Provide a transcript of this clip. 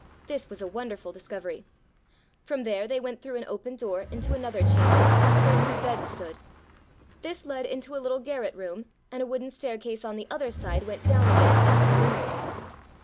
This was a wonderful discovery! From there they went through an open door into another chamber, where two beds stood. This led into a little garret room and a wooden staircase on the other side went down again into the living room.